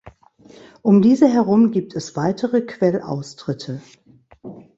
Um diese herum gibt es weitere Quellaustritte.